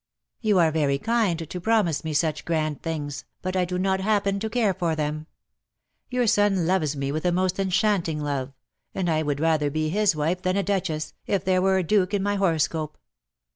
"You are very kind to promise me such grand things, but I do not happen to care for them. Your son loves me with a most enchanting love, and I would rather be his wife than a duchess, if there were a duke in my horoscope."